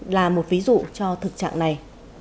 là một ví dụ cho thực trạng này